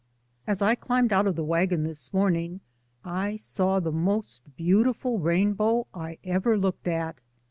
As I climbed out of the wagon this morn ing I saw the most beautiful rainbow I ever looked at.